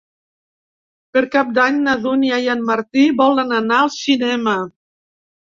Per Cap d'Any na Dúnia i en Martí volen anar al cinema.